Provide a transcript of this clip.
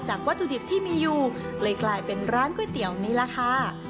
วัตถุดิบที่มีอยู่เลยกลายเป็นร้านก๋วยเตี๋ยวนี้ล่ะค่ะ